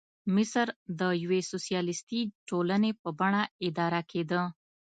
مصر د یوې سوسیالیستي ټولنې په بڼه اداره کېده.